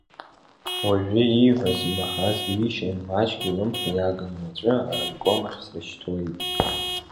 Уажәы ииҳәаз имаҳаз џьишьан маҷк илымҳа иагын уаҵәы араиком ахь срышьҭуеит…